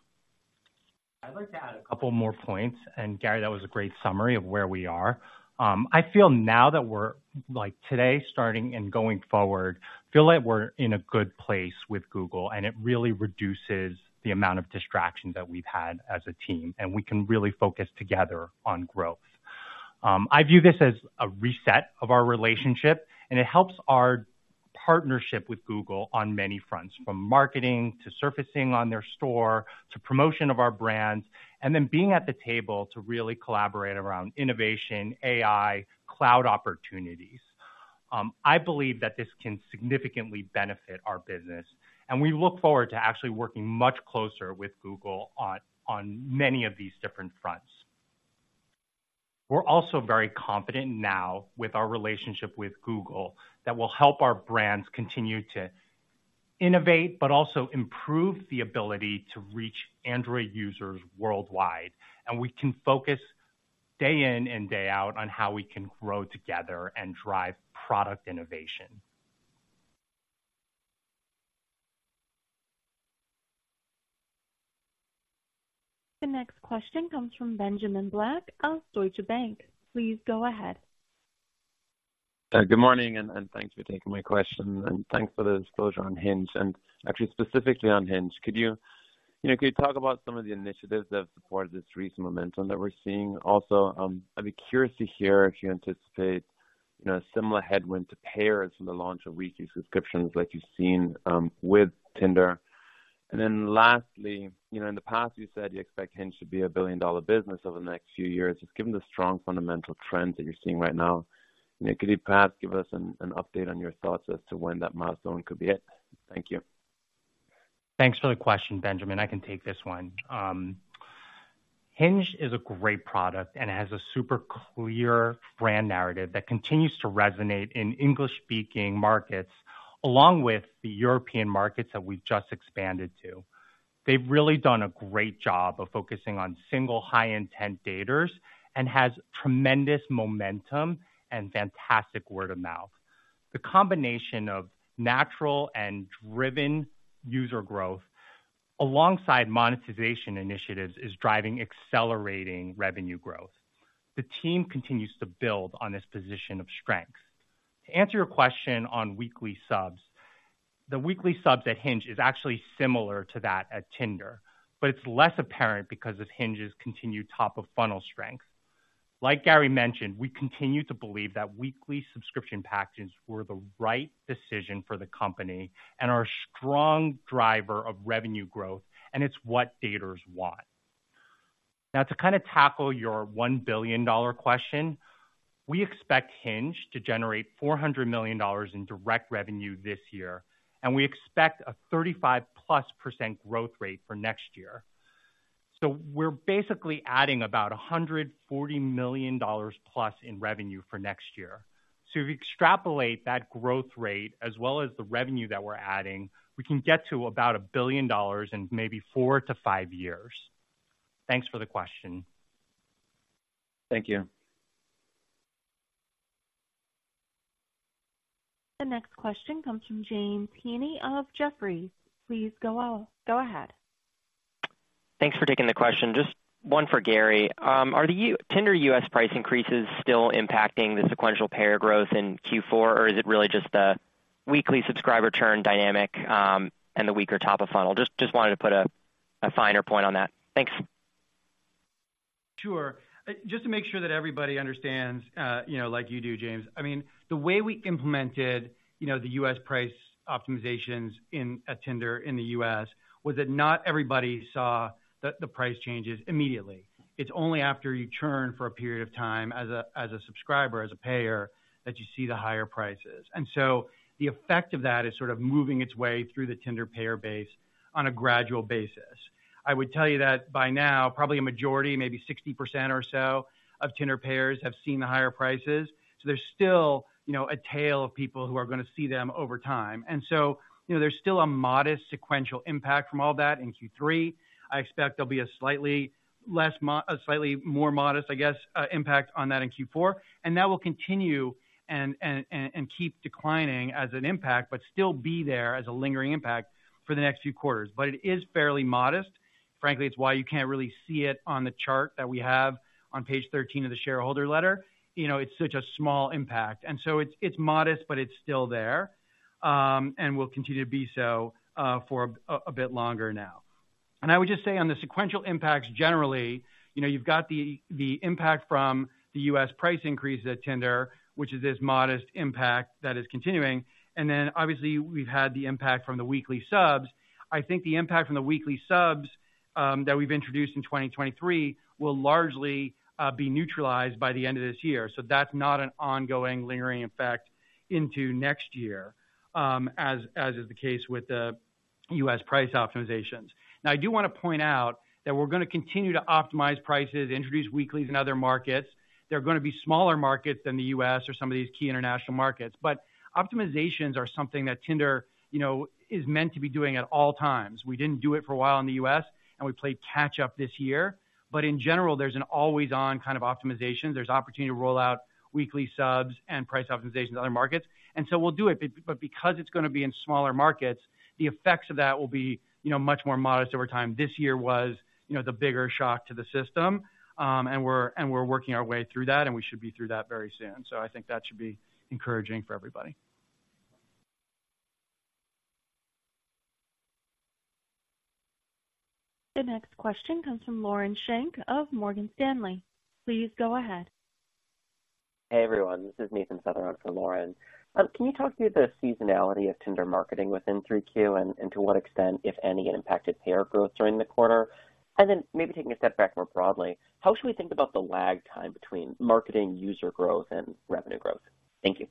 I'd like to add a couple more points. And Gary, that was a great summary of where we are. I feel now that we're, like, today, starting and going forward, feel like we're in a good place with Google, and it really reduces the amount of distraction that we've had as a team, and we can really focus together on growth. I view this as a reset of our relationship, and it helps our partnership with Google on many fronts, from marketing to surfacing on their store, to promotion of our brands, and then being at the table to really collaborate around innovation, AI, cloud opportunities. I believe that this can significantly benefit our business, and we look forward to actually working much closer with Google on many of these different fronts. We're also very confident now with our relationship with Google that will help our brands continue to innovate, but also improve the ability to reach Android users worldwide. We can focus day in and day out on how we can grow together and drive product innovation. The next question comes from Benjamin Black of Deutsche Bank. Please go ahead. Good morning, and thanks for taking my question, and thanks for the disclosure on Hinge. Actually, specifically on Hinge, could you, you know, talk about some of the initiatives that have supported this recent momentum that we're seeing? Also, I'd be curious to hear if you anticipate, you know, a similar headwind to payers from the launch of weekly subscriptions like you've seen with Tinder. Then lastly, you know, in the past, you said you expect Hinge to be a billion-dollar business over the next few years. Just given the strong fundamental trends that you're seeing right now, could you perhaps give us an update on your thoughts as to when that milestone could be hit? Thank you. Thanks for the question, Benjamin. I can take this one. Hinge is a great product and has a super clear brand narrative that continues to resonate in English-speaking markets, along with the European markets that we've just expanded to. They've really done a great job of focusing on single high-intent daters and has tremendous momentum and fantastic word of mouth. The combination of natural and driven user growth alongside monetization initiatives is driving accelerating revenue growth. The team continues to build on this position of strength. To answer your question on weekly subs, the weekly subs at Hinge is actually similar to that at Tinder, but it's less apparent because of Hinge's continued top-of-funnel strength. Like Gary mentioned, we continue to believe that weekly subscription packages were the right decision for the company and are a strong driver of revenue growth, and it's what daters want. Now, to kind of tackle your one billion-dollar question, we expect Hinge to generate $400 million in direct revenue this year, and we expect a 35%+ growth rate for next year. So we're basically adding about $140 million plus in revenue for next year. So if you extrapolate that growth rate as well as the revenue that we're adding, we can get to about $1 billion in maybe 4-5 years. Thanks for the question. Thank you. The next question comes from James Heaney of Jefferies. Please go ahead. Thanks for taking the question. Just one for Gary. Are the Tinder U.S. price increases still impacting the sequential payer growth in Q4, or is it really just the weekly subscriber turn dynamic, and the weaker top of funnel? Just, just wanted to put a finer point on that. Thanks. Sure. Just to make sure that everybody understands, you know, like you do, James, I mean, the way we implemented, you know, the U.S. price optimizations in at Tinder in the U.S., was that not everybody saw the price changes immediately. It's only after you churn for a period of time as a subscriber, as a payer, that you see the higher prices. And so the effect of that is sort of moving its way through the Tinder payer base on a gradual basis. I would tell you that by now, probably a majority, maybe 60% or so of Tinder payers have seen the higher prices. So there's still, you know, a tail of people who are going to see them over time. And so, you know, there's still a modest sequential impact from all that in Q3. I expect there'll be a slightly more modest, I guess, impact on that in Q4, and that will continue and keep declining as an impact, but still be there as a lingering impact for the next few quarters. But it is fairly modest. Frankly, it's why you can't really see it on the chart that we have on page 13 of the shareholder letter. You know, it's such a small impact, and so it's, it's modest, but it's still there, and will continue to be so, for a bit longer now. And I would just say on the sequential impacts, generally, you know, you've got the impact from the U.S. price increase at Tinder, which is this modest impact that is continuing. And then obviously, we've had the impact from the weekly subs. I think the impact from the weekly subs that we've introduced in 2023 will largely be neutralized by the end of this year. So that's not an ongoing, lingering effect into next year, as is the case with the U.S. price optimizations. Now, I do want to point out that we're going to continue to optimize prices, introduce weeklies in other markets. They're going to be smaller markets than the U.S. or some of these key international markets. Optimizations are something that Tinder, you know, is meant to be doing at all times. We didn't do it for a while in the U.S., and we played catch up this year. In general, there's an always-on kind of optimization. There's opportunity to roll out weekly subs and price optimization to other markets. And so we'll do it, but because it's going to be in smaller markets, the effects of that will be, you know, much more modest over time. This year was, you know, the bigger shock to the system, and we're working our way through that, and we should be through that very soon. So I think that should be encouraging for everybody. The next question comes from Lauren Schenk of Morgan Stanley. Please go ahead. Hey, everyone, this is Nathan Sutherland for Lauren. Can you talk to me about the seasonality of Tinder marketing within 3Q and to what extent, if any, it impacted payer growth during the quarter? And then maybe taking a step back more broadly, how should we think about the lag time between marketing, user growth, and revenue growth? Thank you.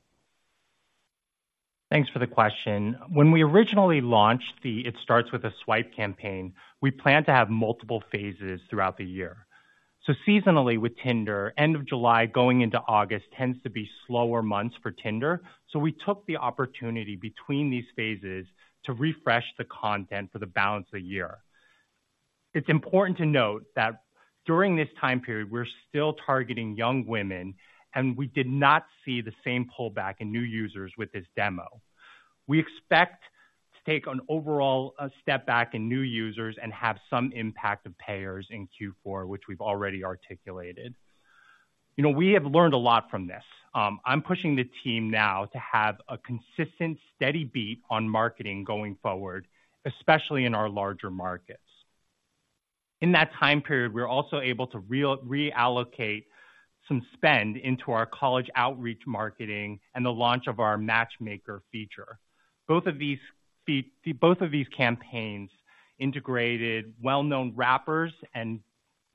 Thanks for the question. When we originally launched the It Starts With A Swipe campaign, we planned to have multiple phases throughout the year. So seasonally with Tinder, end of July, going into August tends to be slower months for Tinder, so we took the opportunity between these phases to refresh the content for the balance of the year. It's important to note that during this time period, we're still targeting young women, and we did not see the same pullback in new users with this demo. We expect to take an overall, a step back in new users and have some impact of payers in Q4, which we've already articulated. You know, we have learned a lot from this. I'm pushing the team now to have a consistent, steady beat on marketing going forward, especially in our larger markets. In that time period, we're also able to reallocate some spend into our college outreach marketing and the launch of our Matchmaker feature. Both of these campaigns integrated well-known rappers and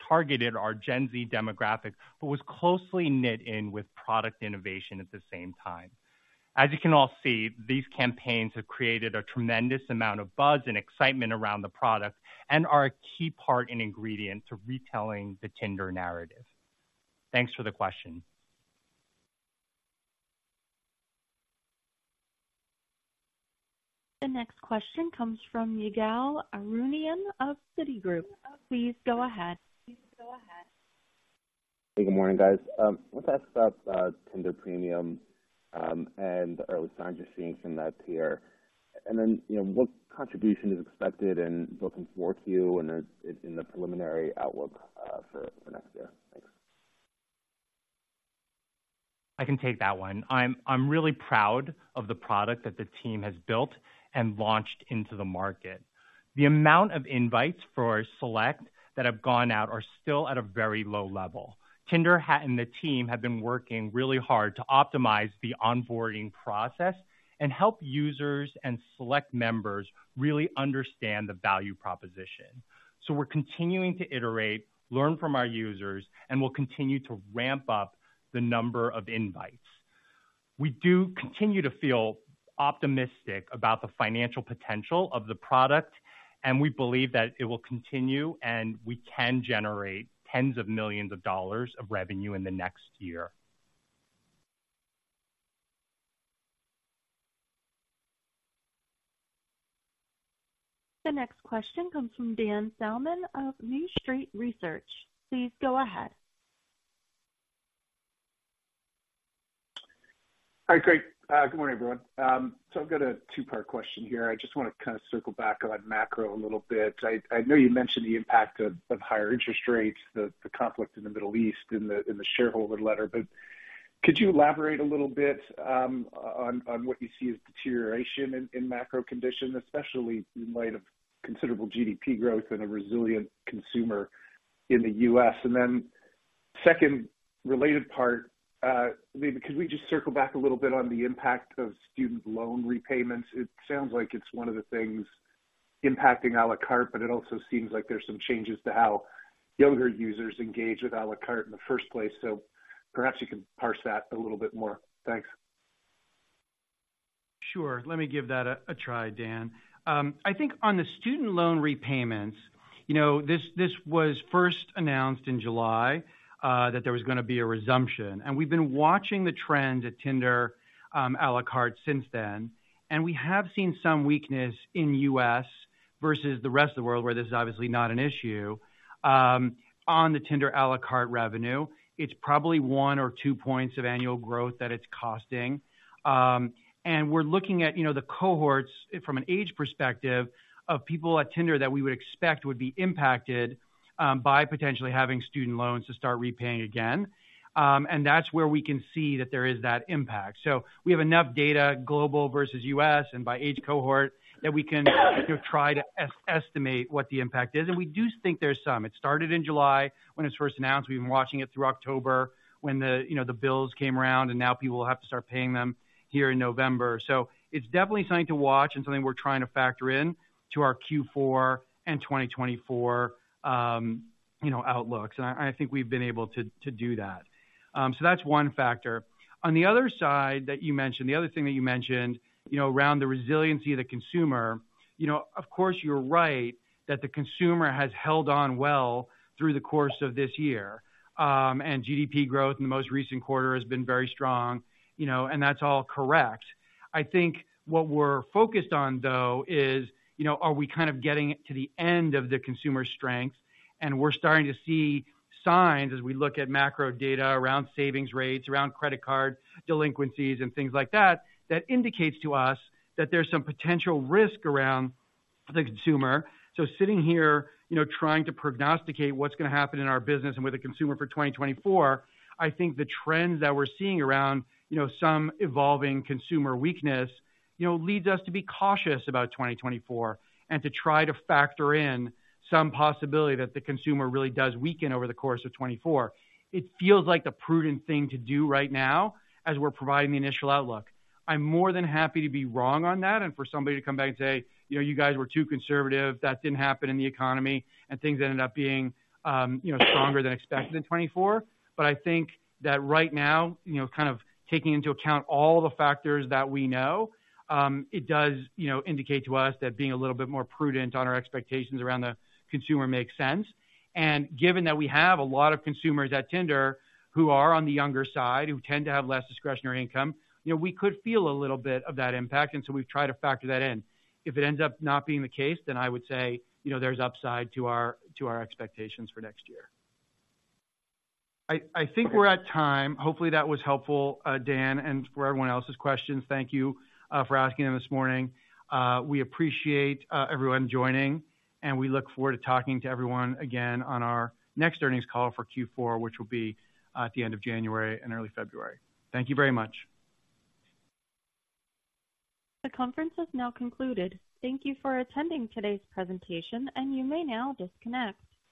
targeted our Gen Z demographic, but was closely knit in with product innovation at the same time. As you can all see, these campaigns have created a tremendous amount of buzz and excitement around the product and are a key part and ingredient to retelling the Tinder narrative. Thanks for the question. The next question comes from Ygal Arounian of Citigroup. Please go ahead. Hey, good morning, guys. Let's ask about Tinder Premium and early signs you're seeing from that tier. And then, you know, what contribution is expected in both 4Q and in the preliminary outlook for next year? Thanks. I can take that one. I'm, I'm really proud of the product that the team has built and launched into the market. The amount of invites for Select that have gone out are still at a very low level. Tinder and the team have been working really hard to optimize the onboarding process and help users and Select members really understand the value proposition. So we're continuing to iterate, learn from our users, and we'll continue to ramp up the number of invites. We do continue to feel optimistic about the financial potential of the product, and we believe that it will continue, and we can generate tens of millions of dollars of revenue in the next year. The next question comes from Dan Salmon of New Street Research. Please go ahead. Hi, great. Good morning, everyone. So I've got a two-part question here. I just want to kind of circle back on macro a little bit. I know you mentioned the impact of higher interest rates, the conflict in the Middle East, in the shareholder letter, but could you elaborate a little bit on what you see as deterioration in macro conditions, especially in light of considerable GDP growth and a resilient consumer in the U.S.? And then second related part, maybe could we just circle back a little bit on the impact of student loan repayments? It sounds like it's one of the things impacting à la carte, but it also seems like there's some changes to how younger users engage with à la carte in the first place. So perhaps you can parse that a little bit more. Thanks. Sure. Let me give that a try, Dan. I think on the student loan repayments, you know, this was first announced in July, that there was gonna be a resumption, and we've been watching the trend at Tinder, à la carte since then. And we have seen some weakness in U.S. versus the rest of the world, where this is obviously not an issue, on the Tinder à la carte revenue. It's probably one or two points of annual growth that it's costing. And we're looking at, you know, the cohorts from an age perspective of people at Tinder that we would expect would be impacted, by potentially having student loans to start repaying again. And that's where we can see that there is that impact. So we have enough data, global versus U.S., and by age cohort, that we can try to estimate what the impact is. And we do think there's some. It started in July, when it was first announced. We've been watching it through October, when the, you know, the bills came around, and now people will have to start paying them here in November. So it's definitely something to watch and something we're trying to factor in to our Q4 and 2024, you know, outlooks, and I think we've been able to do that. So that's one factor. On the other side that you mentioned, the other thing that you mentioned, you know, around the resiliency of the consumer, you know, of course, you're right that the consumer has held on well through the course of this year. And GDP growth in the most recent quarter has been very strong, you know, and that's all correct. I think what we're focused on, though, is, you know, are we kind of getting to the end of the consumer strength? And we're starting to see signs as we look at macro data around savings rates, around credit card delinquencies, and things like that, that indicates to us that there's some potential risk around the consumer. So sitting here, you know, trying to prognosticate what's gonna happen in our business and with the consumer for 2024, I think the trends that we're seeing around, you know, some evolving consumer weakness, you know, leads us to be cautious about 2024, and to try to factor in some possibility that the consumer really does weaken over the course of 2024. It feels like the prudent thing to do right now, as we're providing the initial outlook. I'm more than happy to be wrong on that, and for somebody to come back and say, "You know, you guys were too conservative. That didn't happen in the economy," and things ended up being, you know, stronger than expected in 2024. But I think that right now, you know, kind of taking into account all the factors that we know, it does, you know, indicate to us that being a little bit more prudent on our expectations around the consumer makes sense. And given that we have a lot of consumers at Tinder who are on the younger side, who tend to have less discretionary income, you know, we could feel a little bit of that impact, and so we've tried to factor that in. If it ends up not being the case, then I would say, you know, there's upside to our, to our expectations for next year. I, I think we're at time. Hopefully, that was helpful, Dan, and for everyone else's questions, thank you, for asking them this morning. We appreciate, everyone joining, and we look forward to talking to everyone again on our next earnings call for Q4, which will be, at the end of January and early February. Thank you very much. The conference has now concluded. Thank you for attending today's presentation, and you may now disconnect.